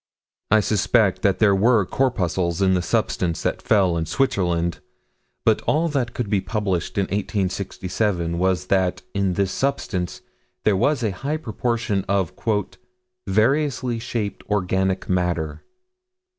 I suspect that there were corpuscles in the substance that fell in Switzerland, but all that could be published in 1867 was that in this substance there was a high proportion of "variously shaped organic matter."